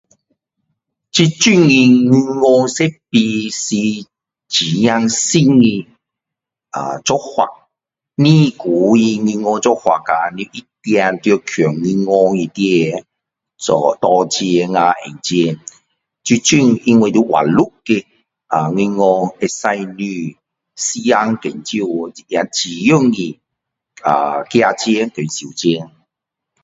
这种的银行设备是新的做法不是旧的银行做法啊你一定要去银行里面做拿钱啊还放钱这种因为要网络的银行会使你时间减少掉也很容易寄钱和收钱